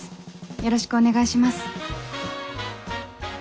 よろしくお願いします。